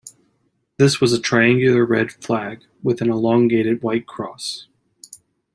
This was a triangular red flag with an elongated white cross.